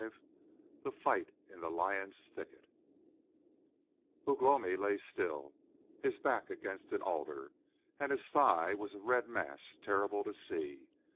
V THE FIGHT IN THE LION'S THICKET Ugh lomi lay still, his back against an alder, and his thigh was a red mass terrible to see.